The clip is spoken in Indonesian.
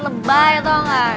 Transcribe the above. lebay tau gak